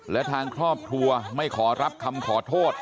และทางครอบครัวไม่ขอรับคำขอโทษ